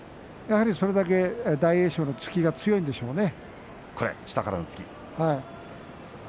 それだけ大栄翔の突きがすごいんでしょうね。